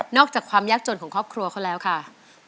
อกจากความยากจนของครอบครัวเขาแล้วค่ะ